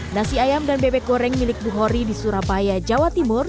nasi ayam dan bebek goreng milik buhori di surabaya jawa timur